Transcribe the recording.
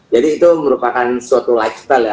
jadi itu merupakan suatu lifestyle ya